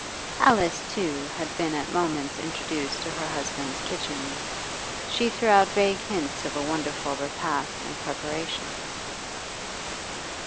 Alice, too, had been at moments introduced to her husband's kitchen; she threw out vague hints of a wonderful repast in preparation.